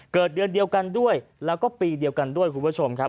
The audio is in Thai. เกิดเดือนเดียวกันด้วยแล้วก็ปีเดียวกันด้วยคุณผู้ชมครับ